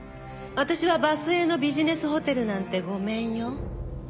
私は場末のビジネスホテルなんてごめんよ。